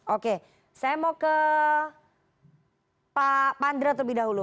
oke saya mau ke pak pandra terlebih dahulu